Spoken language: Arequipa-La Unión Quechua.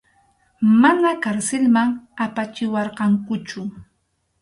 Mana karsilman apachiwarqankuchu.